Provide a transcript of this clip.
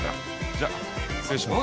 じゃ失礼します。